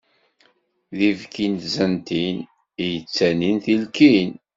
D ibki n tzantin, i yettanin tilkin.